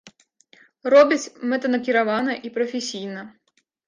Робяць мэтанакіравана і прафесійна.